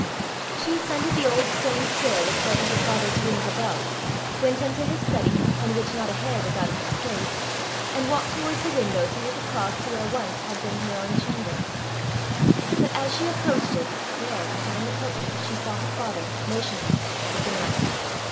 She ascended the old stone stair which led to her father's rooms above, went into his study, in which not a hair was out of its place, and walked towards the window to look across to where once had been her own chamber. But as she approached it, there, behind the curtain, she saw her father, motionless, looking out.